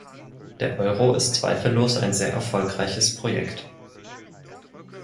Der Euro ist zweifellos ein sehr erfolgreiches Projekt.